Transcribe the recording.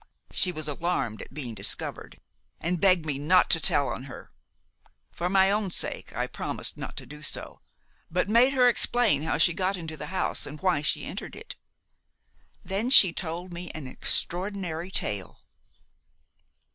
She was alarmed at being discovered, and begged me not to tell on her. For my own sake, I promised not to do so, but made her explain how she got into the house, and why she entered it. Then she told me an extraordinary tale.